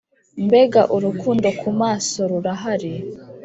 mbega urukundo kumaso rurahari!